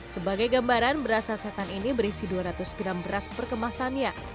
sebagai gambaran beras sasetan ini berisi dua ratus gram beras perkemasannya